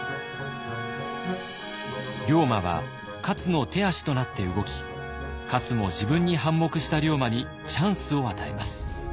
龍馬は勝の手足となって動き勝も自分に反目した龍馬にチャンスを与えます。